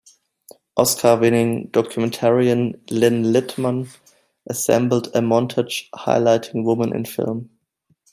Oscar-winning documentarian Lynne Littman assembled a montage highlighting women in film.